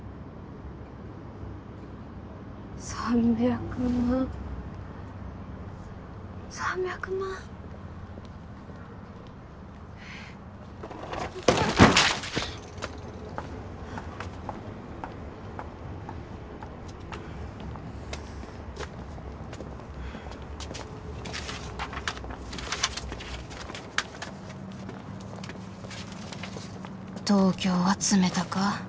３００万３００万えっ東京は冷たか